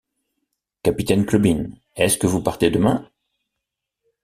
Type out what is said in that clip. Capitaine Clubin, est-ce que vous partez demain ?